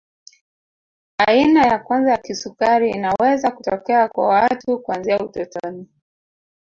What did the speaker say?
Aina ya kwanza ya kisukari inaweza kutokea kwa watu kuanzia utotoni